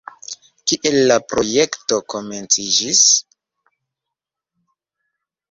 Kiel la projekto komenciĝis?